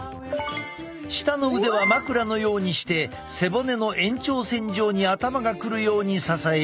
下の腕は枕のようにして背骨の延長線上に頭が来るように支えよう。